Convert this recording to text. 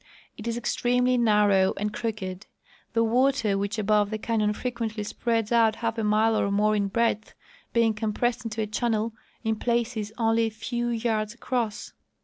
It is extremely narrow and crooked; the water, which above the canyon frequently spreads out half a mile or more in breadth, being compressed into a channel in places only a few yards across.